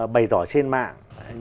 bày tỏ trên mạng